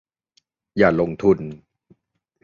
อย่าลงทุน